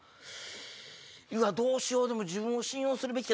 うわっどうしようでも自分を信用するべきか。